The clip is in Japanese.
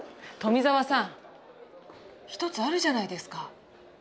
富沢さんひとつあるじゃないですか。